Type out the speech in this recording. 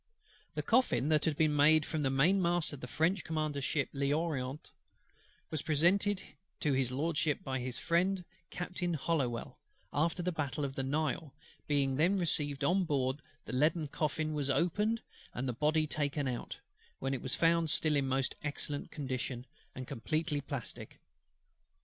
The coffin that had been made from the mainmast of the French Commander's ship L'Orient, and presented to HIS LORDSHIP by his friend Captain HOLLOWELL, after the battle of the Nile, being then received on board, the leaden coffin was opened, and the Body taken out; when it was found still in most excellent condition, and completely plastic.